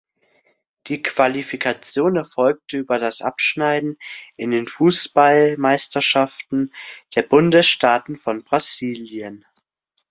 Die Qualifikation erfolgte über das Abschneiden in den Fußballmeisterschaften der Bundesstaaten von Brasilien.